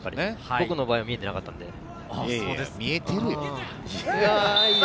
僕の場合は見えていなかったんで。